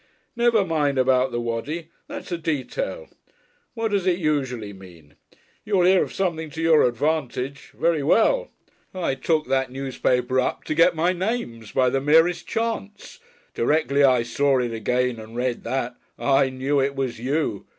Never mind about the Waddy that's a detail. What does it usually mean? You'll hear of something to your advantage very well. I took that newspaper up to get my names by the merest chance. Directly I saw it again and read that I knew it was you.